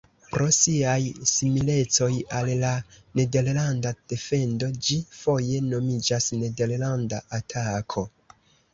Pro siaj similecoj al la nederlanda defendo ĝi foje nomiĝas nederlanda atako.